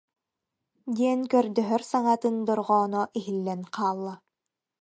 диэн көрдөһөр саҥатын дорҕооно иһиллэн хаалла